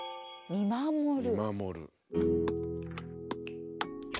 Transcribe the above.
見守る。